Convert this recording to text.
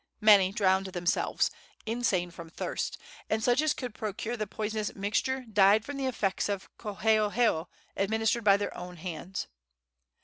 Many drowned themselves, insane from thirst, and such as could procure the poisonous mixture died from the effects of koheoheo administered by their own hands.